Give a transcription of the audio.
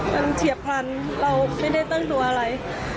มันเฉียบฝันเราไม่ได้ต้องดูอะไร